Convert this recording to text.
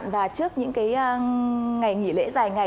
và trước những ngày nghỉ lễ dài ngày